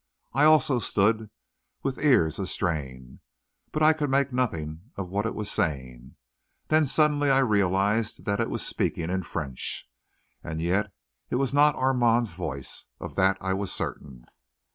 I also stood with ears a strain, but I could make nothing of what it was saying; then suddenly I realised that it was speaking in French. And yet it was not Armand's voice of that I was certain.